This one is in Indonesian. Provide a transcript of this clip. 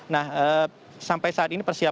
nah sampai saat ini persiapan